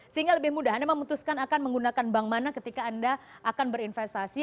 sehingga lebih mudah anda memutuskan akan menggunakan bank mana ketika anda akan berinvestasi